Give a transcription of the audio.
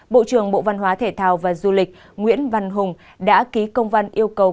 bộ trưởng bộ văn hóa thể thao và du lịch nguyễn văn hùng đã ký công văn yêu cầu